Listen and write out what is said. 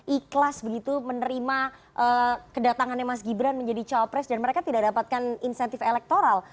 ikhlas begitu menerima kedatangannya mas gibran menjadi cawapres dan mereka tidak dapatkan insentif elektoral